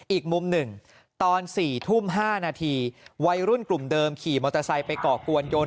อีกมุมหนึ่งตอน๔ทุ่ม๕นาทีวัยรุ่นกลุ่มเดิมขี่มอเตอร์ไซค์ไปก่อกวนยนต์